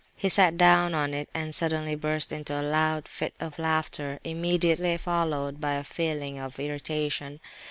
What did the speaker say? He sat down on it and suddenly burst into a loud fit of laughter, immediately followed by a feeling of irritation.